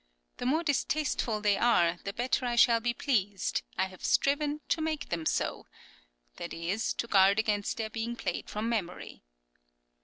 The more distasteful they are, the better I shall be pleased; I have striven to make them so"; that is, to guard against their being played from memory.